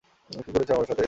কী করেছ আমার সাথে?